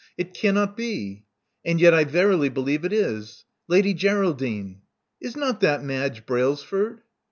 It cannot be. And yet I verily believe it is. Lady Geraldine : is not that Madge Brailsford?"